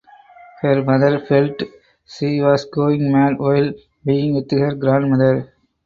Her mother felt she was "going mad" while being with her grandmother.